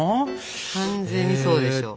完全にそうでしょ今の。